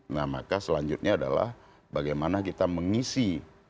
nah maka selanjutnya adalah bagaimana kita mengisi